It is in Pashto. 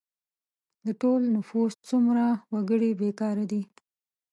د ټول نفوس څومره وګړي بې کاره دي؟